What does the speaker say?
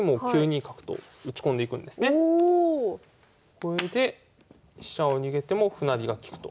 これで飛車を逃げても歩成りが利くと。